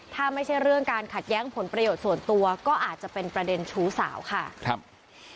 ถ้าไม่ใช่เรื่องการขัดแย้งผลประโยชน์ส่วนตัวก็อาจจะเป็นประเด็นชู้สาวค่ะครับ